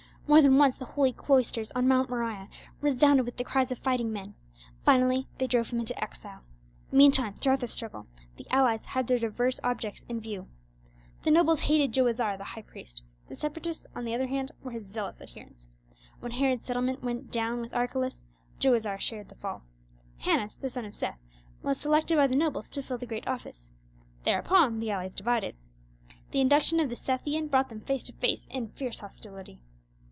More than once the holy cloisters on Moriah resounded with the cries of fighting men. Finally, they drove him into exile. Meantime throughout this struggle the allies had their diverse objects in view. The nobles hated Joazar, the high priest; the Separatists, on the other hand, were his zealous adherents. When Herod's settlement went down with Archelaus, Joazar shared the fall. Hannas, the son of Seth, was selected by the nobles to fill the great office; thereupon the allies divided. The induction of the Sethian brought them face to face in fierce hostility.